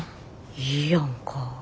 いいやんか。